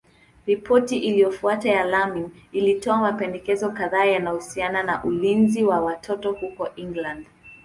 Ripoti iliyofuata ya Laming ilitoa mapendekezo kadhaa yanayohusiana na ulinzi wa watoto huko England.